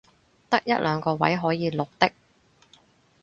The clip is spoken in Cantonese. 得一兩個位可以綠的